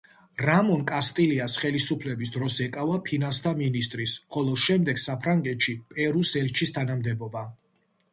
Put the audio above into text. რამონ კასტილიას ხელისუფლების დროს ეკავა ფინანსთა მინისტრის, ხოლო შემდეგ საფრანგეთში პერუს ელჩის თანამდებობა.